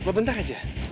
keluar sebentar aja